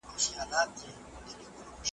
هم دا دنیا هم آخرت دی د خانانو موري .